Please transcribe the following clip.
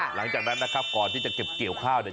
หลังจากนั้นนะครับก่อนที่จะเก็บเกี่ยวข้าวเนี่ย